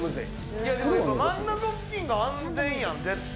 真ん中付近が安全やん、絶対。